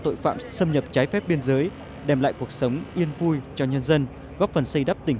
tội phạm xâm nhập trái phép biên giới đem lại cuộc sống yên vui cho nhân dân góp phần xây đắp tình